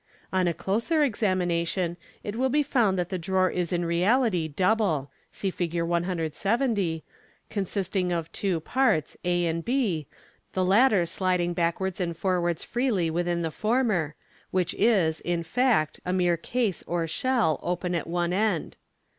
On a closer ex amination, it will be found that the drawer is in reality double (^cjFi°\ 170), consisting of two parts, a and b, the latter sliding backwards and forwards freely within the former, which is, in fact, a mere case or shell, open at one end.